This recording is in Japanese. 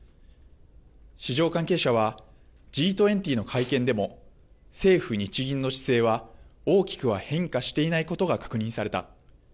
市場関係者はＧ２０の会見でも政府・日銀の姿勢は大きくは変化していないことが確認された。